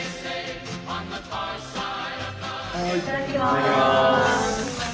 いただきます。